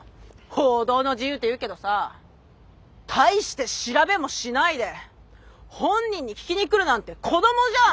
報道の自由って言うけどさ大して調べもしないで本人に聞きに来るなんて子どもじゃん。